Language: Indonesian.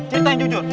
cerita yang jujur